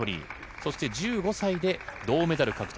そして１５歳で銅メダルを獲得。